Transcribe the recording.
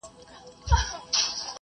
لاسي کارونه د ذهن د ارامتیا سبب ګرځي.